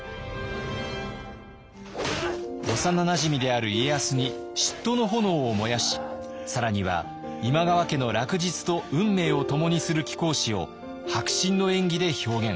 幼なじみである家康に嫉妬の炎を燃やし更には今川家の落日と運命を共にする貴公子を迫真の演技で表現。